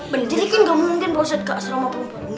berarti ini kan gak mungkin boset gak serama perempuan